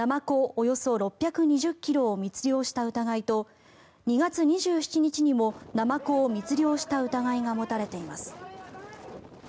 およそ６２０ｋｇを密漁した疑いと２月２７日にもナマコを密漁した疑いが持たれています。